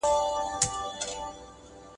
تاسي د هلک او نجلۍ د عمر په اړه څه فکر کوئ؟